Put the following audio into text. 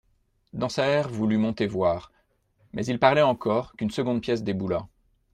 Dansaert voulut monter voir ; mais il parlait encore, qu'une seconde pièce déboula.